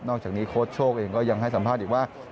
จากนี้โค้ชโชคเองก็ยังให้สัมภาษณ์อีกว่า